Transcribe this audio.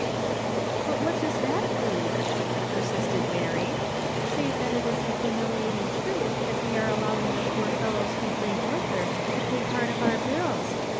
" But what does that prove," persisted Mary, " save that it is a humiliating truth that we are allowing the poor fellows who drink liquor to pay part of our bills